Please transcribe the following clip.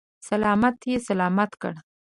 سلامت یې سلامت کړ.